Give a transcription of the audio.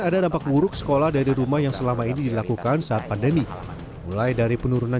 ada dampak buruk sekolah dari rumah yang selama ini dilakukan saat pandemi mulai dari penurunan